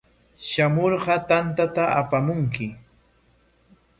Shamurqa tantata apamunki.